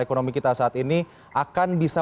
ekonomi kita saat ini akan bisa